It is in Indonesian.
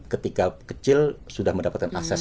ketika kecil sudah mendapatkan akses